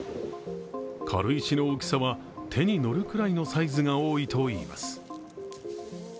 軽石の大きさは手に乗るくらいのサイズが多いといいます。